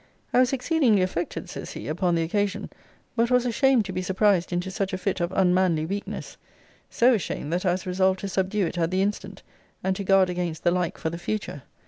] I was exceedingly affected, says he, upon the occasion, but was ashamed to be surprised into such a fit of unmanly weakness so ashamed, that I was resolved to subdue it at the instant, and to guard against the like for the future.